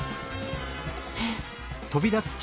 えっ。